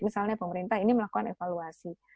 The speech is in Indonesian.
misalnya pemerintah ini melakukan evaluasi